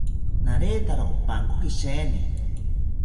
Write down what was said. Naretawo opankoki sheeni